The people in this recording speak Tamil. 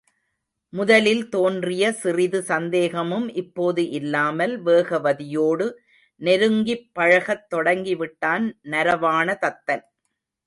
முதலில் தோன்றிய சிறிது சந்தேகமும் இப்போது இல்லாமல் வேகவதியோடு நெருங்கிப் பழகத் தொடங்கி விட்டான் நரவாண தத்தன்.